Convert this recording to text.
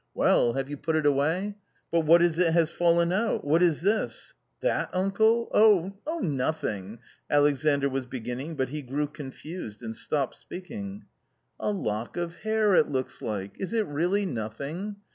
Well, have you put it away ? But what is it has fallen out ? What is this ?" "That — uncle — oh! nothing," Alexandr was beginning, but he grew confused and stopped speaking. "A lock of hair it looks like! Is it really nothing?